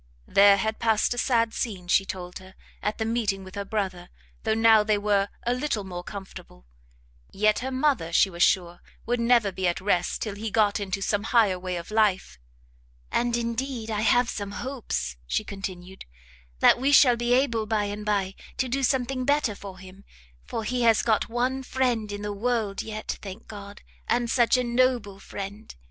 There had passed a sad scene, she told her, at the meeting with her brother, though now they were a little more comfortable; yet, her mother, she was sure, would never be at rest till he got into some higher way of life; "And, indeed, I have some hopes," she continued, "that we shall be able by and bye to do something better for him; for he has got one friend in the world, yet; thank God, and such a noble friend!